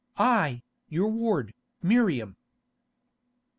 "I, your ward, Miriam."